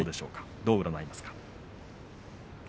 どう占いますか。